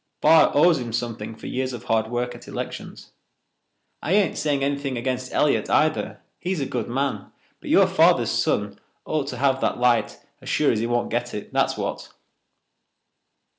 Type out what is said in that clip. Barr owes him something for years of hard work at elections. I ain't saying anything against Elliott, either. He's a good man, but your father's son ought to have that light as sure as he won't get it, that's what."